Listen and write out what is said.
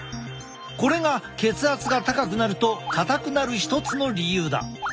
これが血圧が高くなると硬くなる一つの理由だ。